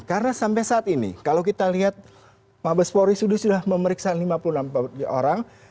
karena sampai saat ini kalau kita lihat mabes polri sudah memeriksa lima puluh enam orang